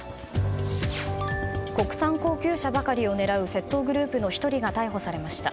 国産高級車ばかりを狙う窃盗グループの１人が逮捕されました。